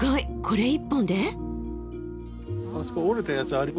これ１本で？